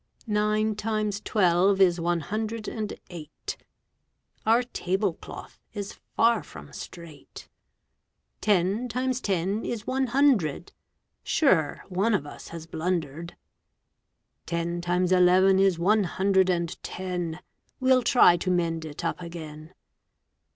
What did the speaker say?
Nine times twelve is one hundred and eight. Our table cloth is far from straight. Ten times ten is one hundred. Sure, one of us has blundered. Ten times eleven is one hundred and ten. We'll try to mend it up again.